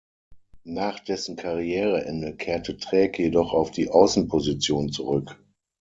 Nach dessen Karriereende kehrte Träg jedoch auf die Außenposition zurück.